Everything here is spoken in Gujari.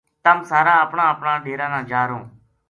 تم سار اپنا اپنا ڈیرا نا جا رہوں